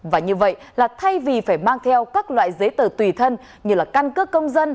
và như vậy là thay vì phải mang theo các loại giấy tờ tùy thân như là căn cước công dân